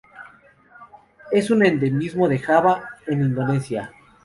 Es un endemismo de Java en Indonesia.